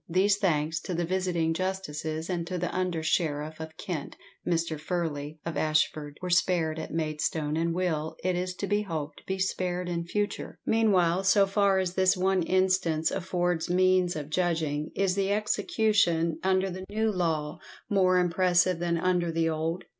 These, thanks to the visiting justices and to the under sheriff of Kent, Mr. Furley, of Ashford, were spared at Maidstone, and will, it is to be hoped, be spared in future. Meanwhile, so far as this one instance affords means of judging, IS THE EXECUTION UNDER THE NEW LAW MORE IMPRESSIVE THAN UNDER THE OLD?